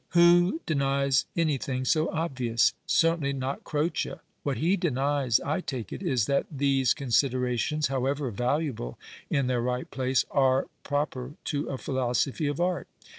Who denies anything so obvious ? Certainly not Croce. What he denies, I take it, is that these considerations, however valuable in their right place, are proper to a philosophy of art.